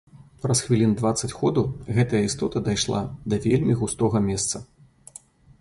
Праз хвілін дваццаць ходу гэтая істота дайшла да вельмі густога месца.